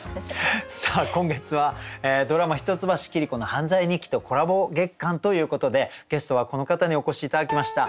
今月はドラマ「一橋桐子の犯罪日記」とコラボ月間ということでゲストはこの方にお越し頂きました。